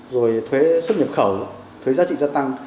rồi thuế xuất nhập khẩu thuế giá trị gia tăng